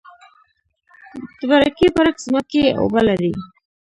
د برکي برک ځمکې اوبه لري